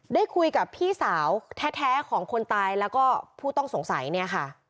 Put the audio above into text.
ได้คุยกับพี่สาวแท้ของคนตายแล้วก็ผู้ต้องสงสัยเนี่ยค่ะ